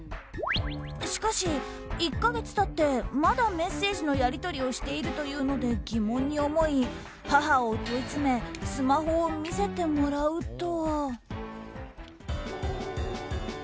しかし、１か月経ってまだメッセージのやり取りをしているというので疑問に思い母を問い詰めスマホを見せてもらうと。